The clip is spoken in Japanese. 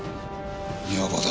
女房だ。